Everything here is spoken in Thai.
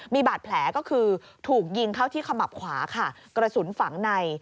มีบาดแผลก็คือถูกยิงเข้าที่ขมับขวาค่ะกระสุนฝังใน